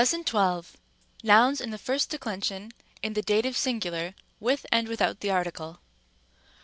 812, Nouns of the first declension, in the dative singular, with and without the article.